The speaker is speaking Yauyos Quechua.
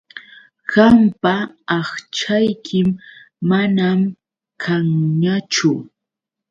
Qampa aqchaykim manam kanñachu.